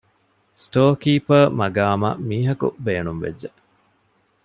ސްޓޯރ ކީޕަރ މަޤާމަށް މީހަކު ބޭނުންވެއްްޖެ